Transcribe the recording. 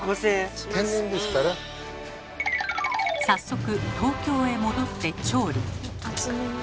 早速東京へ戻って調理。